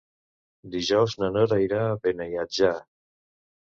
Dijous na Nora irà a Beniatjar.